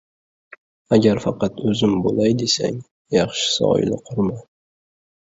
Agar faqat o‘zim bo‘lay desang, yaxshisi oila qurma.